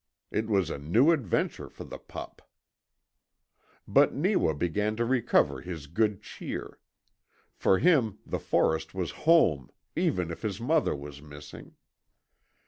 It was a new adventure for the pup. But Neewa began to recover his good cheer. For him the forest was home even if his mother was missing.